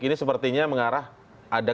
ini sepertinya mengarah ada